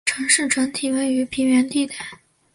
城区整体位于平原地带。